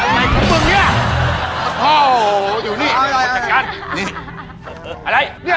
อะไหมภึ่งมึงเนี่ย